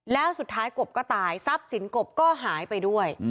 แล้วสุดท้ายกบก็ตายทรัพย์สินกบก็หายไปด้วย